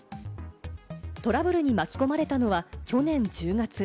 トラブルに巻き込まれたのは去年１０月。